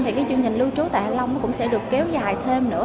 thì cái chương trình lưu trú tại hạ long cũng sẽ được kéo dài thêm nữa